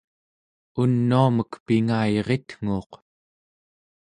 unuamek pingayiritnguuq